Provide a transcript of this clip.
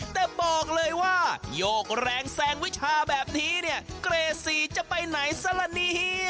แต่บอกเลยว่าโยกแรงแซงวิชาแบบนี้เนี่ยเกรดสีจะไปไหนซะละเนี่ย